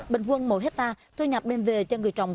bình quân mỗi hectare thu nhập đem về cho người trồng